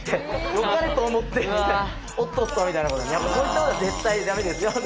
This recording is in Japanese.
よかれと思ってみたいなおっとっとみたいなことはそういったことは絶対ダメですよで。